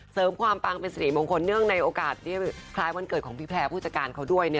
เสริมความปังเป็นสิริมงคลเนื่องในโอกาสคล้ายวันเกิดของพี่แพร่ผู้จัดการเขาด้วย